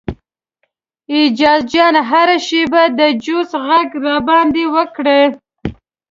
ایاز جان هره شیبه د جوسو غږ در باندې وکړي.